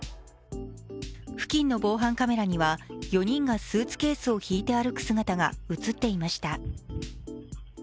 付近の防犯カメラには４人がスーツケースを引いて歩く姿が映っていました。